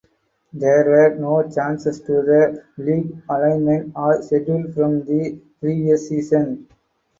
There were no changes to the league alignment or schedule from the previous season.